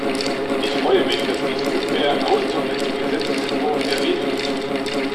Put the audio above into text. Ich freue mich, dass dies nunmehr ausdrücklich im Gesetzesentwurf erwähnt wird.